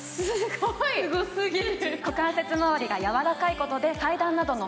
すごすぎる。